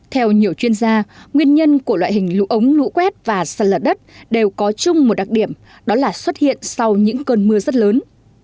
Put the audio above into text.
theo nhiều chuyên gia nguyên nhân của loại hình lũ ống lũ quét và sạt lở đất đều có chung một đặc điểm đó là xuất hiện sau những cơn mưa rất lớn